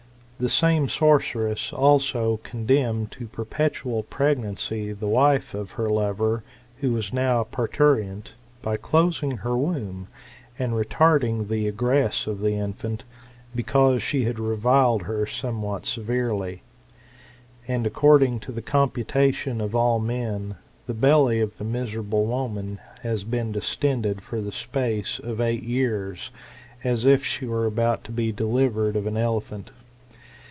The same sorceress also condemned to perpetual pregnancy the wife of her lover, who was now parturient, by closing her womb, and retarding the progress of the infant, because she had reviled her somewhat severely. And, according to the computation of all men, the belly of the miserable woman has been distended for the space of eight years, as if she was about to be delivered of an elephant.